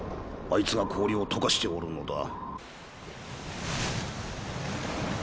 あいつが氷をとかしておるのだ。